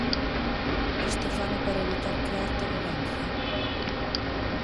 Isto fano para evitar crear tolerancia.